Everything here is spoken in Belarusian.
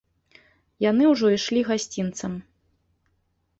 Яны ўжо ішлі гасцінцам.